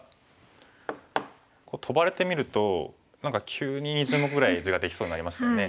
トバれてみると何か急に１０目ぐらい地ができそうになりましたね。